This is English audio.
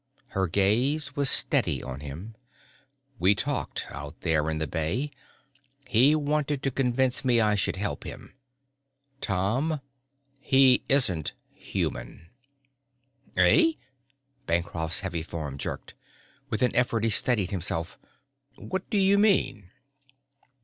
Her gaze was steady on him. "We talked, out there in the bay. He wanted to convince me I should help him. Tom he isn't human." "Eh?" Bancroft's heavy form jerked. With an effort he steadied himself. "What do you mean?"